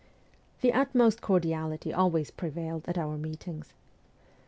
The utmost cordiality always prevailed at our meetings.